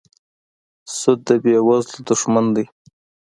سود د بېوزلو دښمن دی.